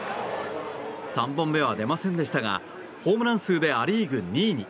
３本目は出ませんでしたがホームラン数でア・リーグ２位に。